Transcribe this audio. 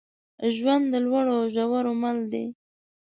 ژوند د لوړو او ژورو مل دی.